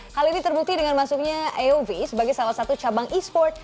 hal ini terbukti dengan masuknya aov sebagai salah satu cabang e sport